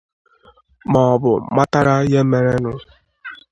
ma ọ bụ matara ihe merenu